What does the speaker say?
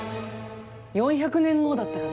４００年後だったかな。